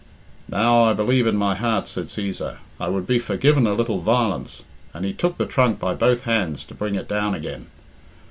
"Now, I believe in my heart," said Cæsar, "I would be forgiven a little violence," and he took the trunk by both hands to bring it down again.